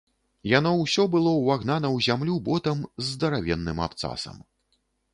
Яно ўсё было ўвагнана ў зямлю ботам з здаравенным абцасам.